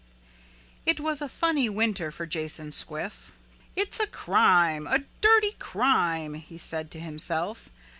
It was a funny winter for Jason Squiff. "It's a crime, a dirty crime," he said to himself.